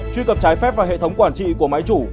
truy cập trái phép vào hệ thống quản trị của máy chủ